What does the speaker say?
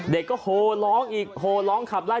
เด็กก็โหร้องอีกโหร้องขับไล่